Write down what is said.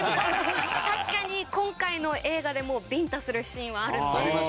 確かに今回の映画でもビンタするシーンはあるんで。